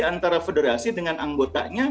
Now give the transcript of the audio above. antara federasi dengan anggotanya